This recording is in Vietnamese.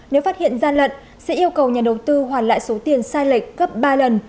nếu phát hiện gian lận sẽ yêu cầu nhà đầu tư hoàn lại số tiền sai lệch gấp ba lần